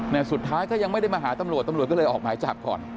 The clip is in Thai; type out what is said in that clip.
แต่สุดท้ายก็ยังไม่ได้มาหาตำรวจตำรวจก็เลยออกหมายจับก่อน